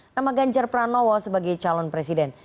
nama ganjar pranowo sebagai calon presiden